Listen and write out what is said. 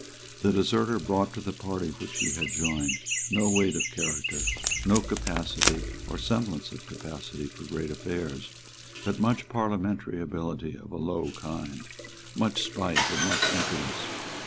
The deserter brought to the party which he had joined no weight of character, no capacity or semblance of capacity for great affairs, but much parliamentary ability of a low kind, much spite and much impudence.